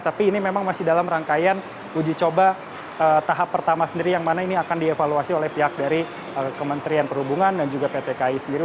tapi ini memang masih dalam rangkaian uji coba tahap pertama sendiri yang mana ini akan dievaluasi oleh pihak dari kementerian perhubungan dan juga pt ki sendiri